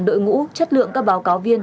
đội ngũ chất lượng các báo cáo viên